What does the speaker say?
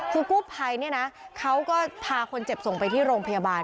คือกู้ภัยเนี่ยนะเขาก็พาคนเจ็บส่งไปที่โรงพยาบาล